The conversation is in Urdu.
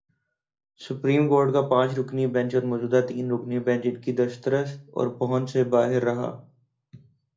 سپریم کورٹ کا پانچ رکنی بینچ اور موجودہ تین رکنی بینچ ان کی دسترس اور پہنچ سے باہر رہا۔